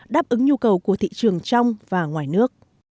đáp ứng nhu cầu của thị trường trong và ngoài nước